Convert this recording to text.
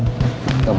bagaimana percaya kamu